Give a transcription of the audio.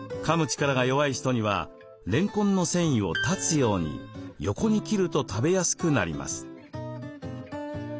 力が弱い人にはれんこんの繊維を断つように横に切ると食べやすくなります。